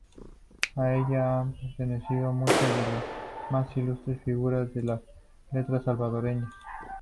A ella han pertenecido muchas de las más ilustres figuras de las letras salvadoreñas.